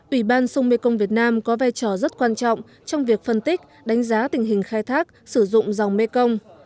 ủy ban sông mê công việt nam có vai trò rất quan trọng trong việc phân tích đánh giá tình hình khai thác sử dụng dòng mekong